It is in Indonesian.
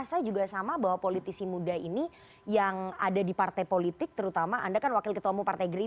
saya rasa juga sama bahwa politisi muda ini yang ada di partai politik terutama anda kan wakil ketua umum partai gerindra